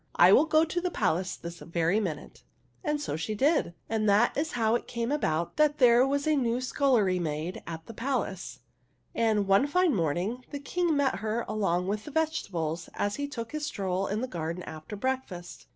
I will go to the palace this very minute !" And so she did, and that was how it came about that there was a new scullery maid at the palace ; and, one fine morning, the King met her all among the vegetables, as he took his stroll in the garden after breakfast.